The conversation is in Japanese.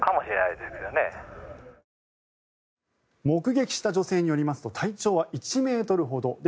目撃した女性によりますと体長は１ｍほど。